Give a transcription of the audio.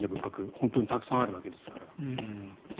本当にたくさんあるわけですから。